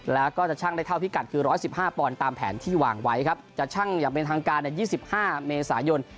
แล้วก็จะชั่งได้เท่าพิกัดคือร้อยสิบห้าปอนตามแผนที่วางไว้ครับจะชั่งอย่างเป็นทางการในยี่สิบห้าเมษายน